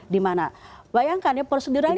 di mana bayangkan ya proseduranya